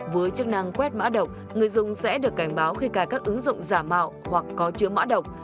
với chức năng quét mã độc người dùng sẽ được cảnh báo khi cài các ứng dụng giả mạo hoặc có chứa mã độc